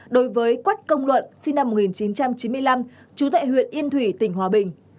đối với quách công luận sinh năm một nghìn chín trăm chín mươi năm trú tại huyện yên thủy tỉnh hòa bình